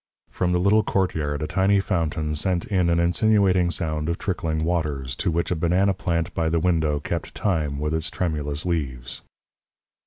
From the little courtyard a tiny fountain sent in an insinuating sound of trickling waters, to which a banana plant by the window kept time with its tremulous leaves.